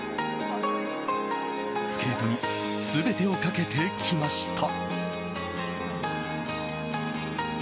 スケートに全てをかけてきました。